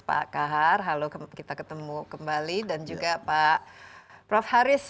pak kahar halo kita ketemu kembali dan juga pak prof haris